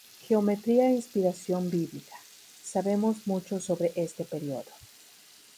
Geometría e inspiración bíblica"", sabemos mucho sobre este periodo.